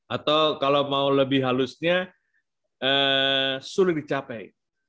atau kalau mau lebih halusnya sulit dicapai